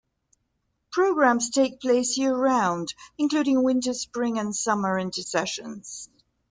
Programs take place year round including winter, spring and summer intersessions.